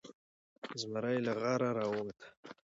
زمری له غاره راووته.